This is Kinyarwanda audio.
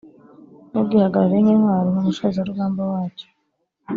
ugihagarariye nk’Intwari n’umushozarugamba wacyo